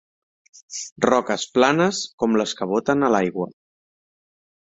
Roques planes com les que boten a l'aigua.